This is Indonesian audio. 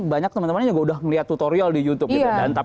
banyak teman temannya juga udah ngeliat tutorial di youtube